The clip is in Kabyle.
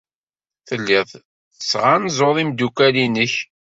Tellid tettɣanzuḍ imeddukal-nnek.